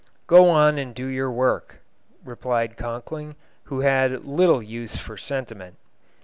"Go on and do your work," replied Conkling, who had little use for sentiment.